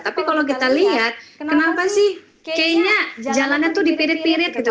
tapi kalau kita lihat kenapa sih kayaknya jalannya tuh dipirit pirit gitu